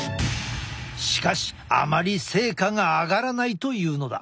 しかしあまり成果があがらないというのだ。